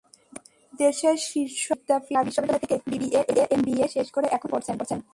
দেশের শীর্ষ বিদ্যাপীঠ ঢাকা বিশ্ববিদ্যালয় থেকে বিবিএ-এমবিএ শেষ করে এখন সিএ পড়ছেন।